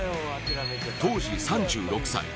当時３６歳。